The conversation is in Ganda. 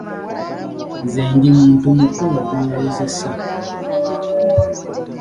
Nze ndi muntu mukulu gw'owozesa.